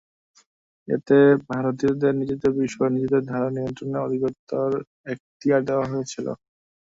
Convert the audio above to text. এতে ভারতীয়দের নিজেদের বিষয় নিজেদের দ্বারা নিয়ন্ত্রণে অধিকতর এখতিয়ার দেওয়া হয়েছিল।